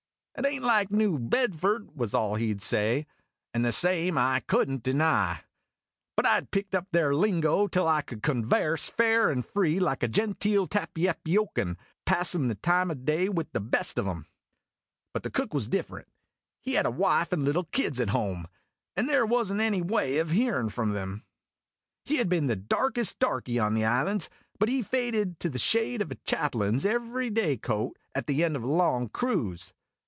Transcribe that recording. " It ain't like New Bedford," was all he 'd say ; and the same I could n't deny. But I 'd picked up their lingo till I could convairse fair and free like a genteel Tappyappyocan, passin' the time o' clay with the best of 'em. But the Cook was cliffrent ; he had a wife and little kids at home, and there was n't any way of hearin' from them. He had been the darkest darky on the islands, but he faded to the shade of a chap lain's every day coat at the end of a long cruise.